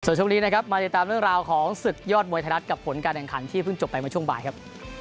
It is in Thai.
ส่วนช่วงนี้นะครับมาติดตามเรื่องราวของศึกยอดมวยไทยรัฐกับผลการแข่งขันที่เพิ่งจบไปเมื่อช่วงบ่ายครับ